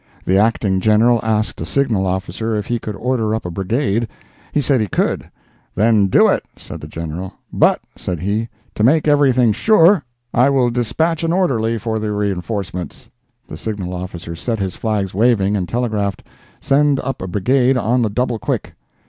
The Acting General asked a signal officer if he could order up a brigade. He said he could. "Then do it," said the General; "but," said he, "to make everything sure, I will dispatch an orderly for the reinforcements." The signal officer set his flags waving, and telegraphed: "Send up a brigade on the double quick."